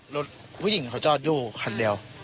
รถผู้หญิงเขาจอดอยู่คันเดียว